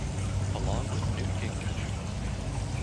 Along with Newt Gingrich.